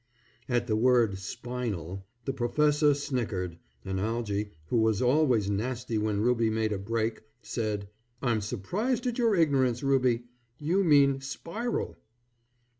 At the word "spinal" the Professor snickered, and Algy who was always nasty when Ruby made a break, said, "I'm surprised at your ignorance Ruby: you mean spiral."